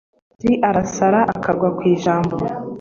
umusazi arasara akagwa ku ijambo